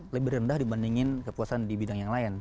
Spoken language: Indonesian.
lebih rendah dibandingin kepuasan di bidang yang lain